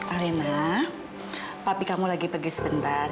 alena tapi kamu lagi pergi sebentar